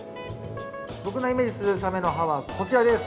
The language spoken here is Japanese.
僕のイメージするサメの歯はこちらです。